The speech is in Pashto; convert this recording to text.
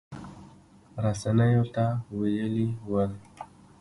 رسنیو ته ویلي ول